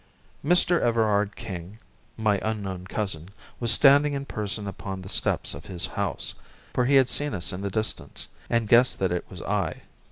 Mr. Everard King, my unknown cousin, was standing in person upon the steps of his house, for he had seen us in the distance, and guessed that it was I.